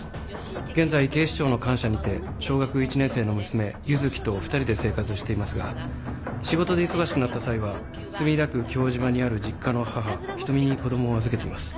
現在警視庁の官舎にて小学１年生の娘柚希と２人で生活していますが仕事で忙しくなった際は墨田区京島にある実家の母仁美に子供を預けています。